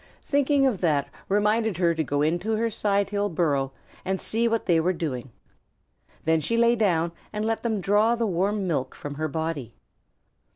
Thinking of that reminded her to go into her sidehill burrow and see what they were doing. Then she lay down and let them draw the warm milk from her body.